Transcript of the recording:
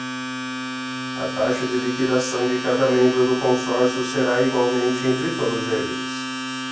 A taxa de liquidação de cada membro do consórcio será igualmente entre todos eles.